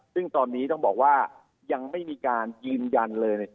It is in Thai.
ซึ่งตอนนี้ต้องบอกว่ายังไม่มีการยืนยันเลย